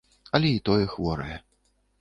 Але і тое хворае.